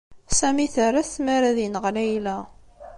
Sami terra-t tmara ad ineɣ Layla.